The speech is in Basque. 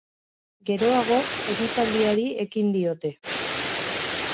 Geroago, ekitaldiari ekin diote.